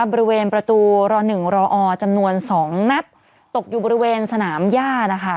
บริเวณประตูร๑รอจำนวน๒นัดตกอยู่บริเวณสนามย่านะคะ